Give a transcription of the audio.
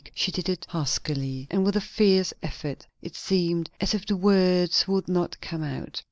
She did it huskily, and with a fierce effort. It seemed as if the words would not come out.